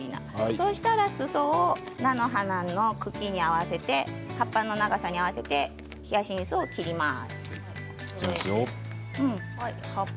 そうしたらすそを菜の花の茎に合わせて葉っぱの長さに合わせてヒヤシンスを切ります。